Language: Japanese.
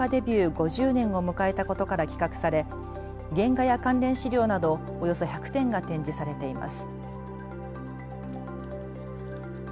５０年を迎えたことから企画され原画や関連資料などおよそ１００点が展示されています。